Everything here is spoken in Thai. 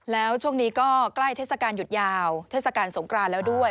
แล้วช่วงนี้ก็ใกล้เทศกาลหยุดยาวเทศกาลสงครานแล้วด้วย